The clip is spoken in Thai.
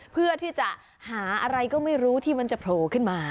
เพื่อที่จะหาอะไรก็ไม่รู้ที่มันจะโผล่ขึ้นมา